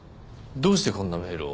どうしてこんなメールを？